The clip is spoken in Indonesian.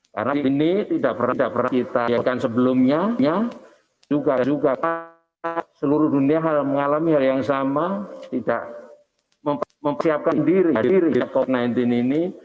karena ini tidak pernah kita lihat sebelumnya juga seluruh dunia mengalami hal yang sama tidak mempersiapkan diri diri covid sembilan belas ini